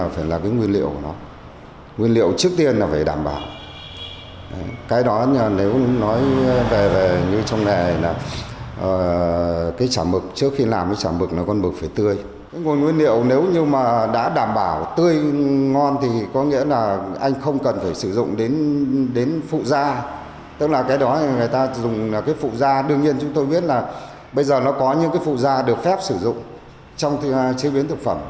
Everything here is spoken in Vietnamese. phụ da tức là cái đó người ta dùng là cái phụ da đương nhiên chúng tôi biết là bây giờ nó có những cái phụ da được phép sử dụng trong chế biến thực phẩm